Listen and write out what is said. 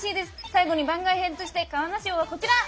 最後に番外編として川名賞はこちら！